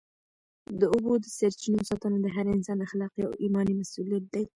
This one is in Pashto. د اوبو د سرچینو ساتنه د هر انسان اخلاقي او ایماني مسؤلیت دی.